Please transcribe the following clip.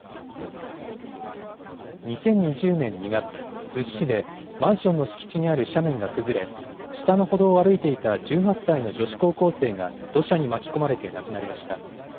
２０２０年２月、逗子市で、マンションの敷地にある斜面が崩れ、下の歩道を歩いていた１８歳の女子高校生が土砂に巻き込まれて亡くなりました。